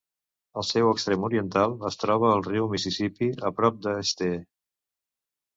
El seu extrem oriental es troba al riu Mississipí, a prop de Ste.